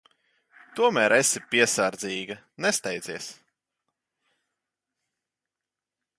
Tomēr esi piesardzīga. Nesteidzies.